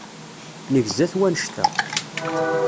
Negza-t wannect-a.